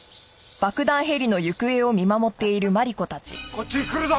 こっちに来るぞ！